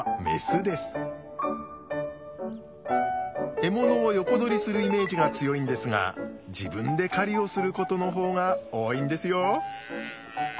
獲物を横取りするイメージが強いんですが自分で狩りをすることの方が多いんですよ。